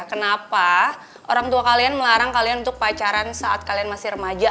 kenapa orang tua kalian melarang kalian untuk pacaran saat kalian masih remaja